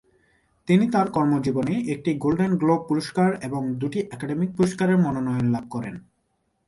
তিনি তার কর্মজীবনে একটি গোল্ডেন গ্লোব পুরস্কার এবং দুটি একাডেমি পুরস্কারের মনোনয়ন লাভ করেন।